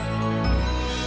ini udah selesai ya